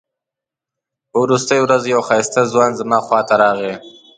په وروستۍ ورځ یو ښایسته ځوان زما خواته راغی.